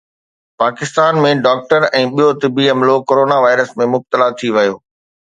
Pakistan ۾ doctor ۽ ٻيو طبي عملو ڪورونا وائرس ۾ مبتلا ٿي ويو